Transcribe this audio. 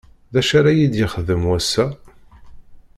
D acu ara yi-d-yexdem wass-a.